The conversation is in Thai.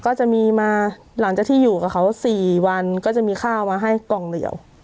ก็จะมีมาหลังจากที่อยู่กับเขา๔วันก็จะมีข้าวมาให้กล่องเดียว